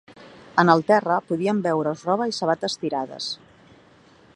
En el terra podien veure’s roba i sabates tirades.